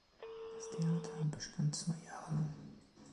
Das Theater bestand zwei Jahre lang.